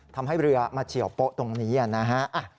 ทำให้เรือมาเฉียวโป๊ะตรงนี้นะฮะ